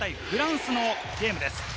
日本対フランスのゲームです。